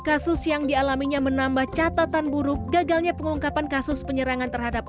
kasus yang dialaminya menambah catatan buruk gagalnya pengungkapan kasus penyerangan terhadap